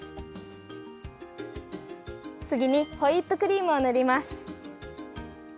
つぎにホイップクリームをぬります。